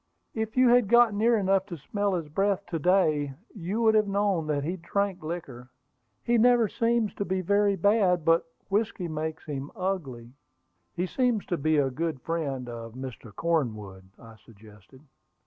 "If you had got near enough to smell his breath to day, you would have known that he drank liquor. He never seems to be very bad, but whiskey makes him ugly." "He seems to be a good friend of Mr. Cornwood," I suggested.